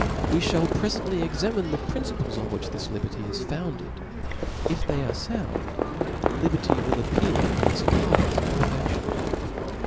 We (hall prefently examine the principles on which this liberty is founded ; if they are found, liberty will appear in its higheft perfedtion.